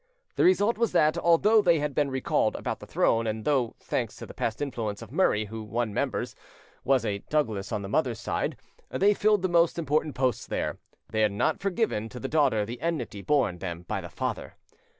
The result was that, although they had been recalled about the throne, and though, thanks to the past influence of Murray, who, one remembers, was a Douglas on the mother's side, they filled the most important posts there, they had not forgiven to the daughter the enmity borne them by the father.